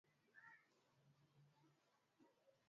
wa atlantiki ya kaskazini walioko mashariki mwa Ulaya